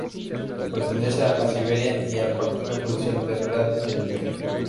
Pertenece a la de La Siberia y al Partido judicial de Herrera del Duque.